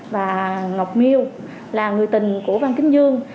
và ngọc miêu là người tình của văn kính dương